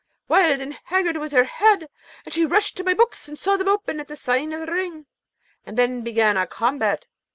Wild and haggard was her head, and she rushed to my books and saw them open at the sign of the ring: then began our combat.